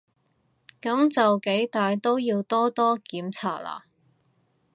噉就幾歹都要多多檢查啦